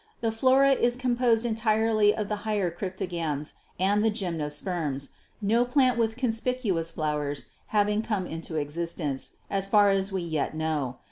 The flora is com posed entirely of the higher Cryptogams and the Gymno sperms, no plant with conspicuous flowers having come into existence, so far as we yet know.